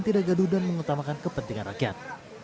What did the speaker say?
tidak gaduh dan mengutamakan kepentingan rakyat